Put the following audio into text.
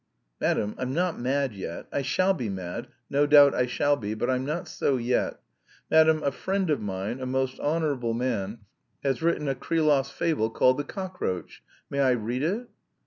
"Madam, I'm not mad yet! I shall be mad, no doubt I shall be, but I'm not so yet. Madam, a friend of mine a most honourable man has written a Krylov's fable, called 'The Cockroach.' May I read it?"